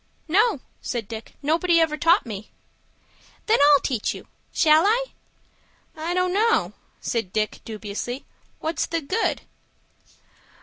"No," said Dick. "Nobody ever taught me." "Then I'll teach you. Shall I?" "I don't know," said Dick, dubiously. "What's the good?"